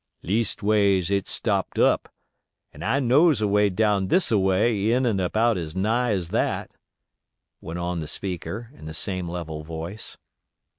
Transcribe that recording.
"Leastways it's stopped up, and I knows a way down this a way in and about as nigh as that," went on the speaker, in the same level voice.